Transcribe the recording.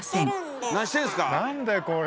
何だこれ！